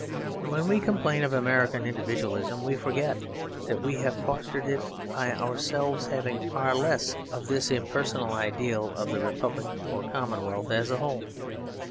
When we complain of American individualism, we forget that we have fostered it by ourselves having far less of this impersonal ideal of the Republic or commonwealth as a whole.